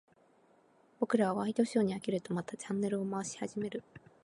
僕らはワイドショーに飽きると、またチャンネルを回し始める。